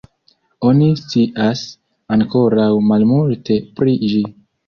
Oni scias ankoraŭ malmulte pri ĝi.